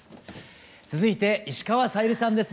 続いて石川さゆりさんです。